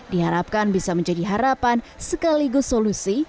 diharapkan bisa menjadi harapan sekaligus solusi